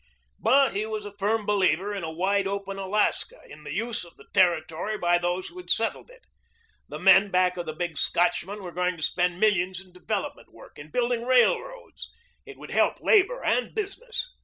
But he was a firm believer in a wide open Alaska, in the use of the Territory by those who had settled it. The men back of the big Scotchman were going to spend millions in development work, in building railroads. It would help labor and business.